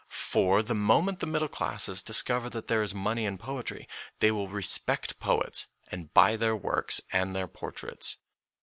For the moment the middle classes discover that there is money in poetry, they will respect poets and buy their works and their portraits.